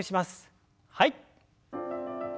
はい。